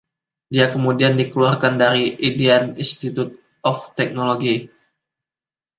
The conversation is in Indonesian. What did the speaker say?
Dia kemudian dikeluarkan dari Indian Institute of Technology.